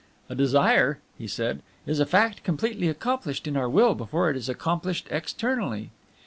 "A desire," he said, "is a fact completely accomplished in our will before it is accomplished externally."